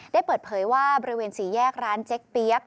ได้เปิดเผยว่าบริเวณสี่แยกร้านเจ๊กเปี๊ยก